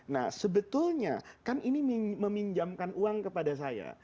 nah sebetulnya kan ini meminjamkan uang kepada saya